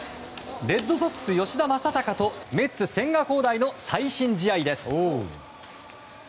レッドソックス吉田正尚とメッツ千賀滉大の最新試合です。